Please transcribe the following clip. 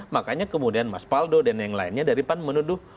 makanya kemudian mas paldo dan yang lainnya dari pan menuduh